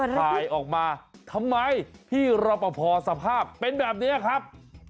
ถ่ายออกมาทำไมพี่รอปภสภาพเป็นแบบนี้ครับ